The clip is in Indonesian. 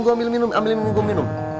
katanya jejen mau jadi jagoan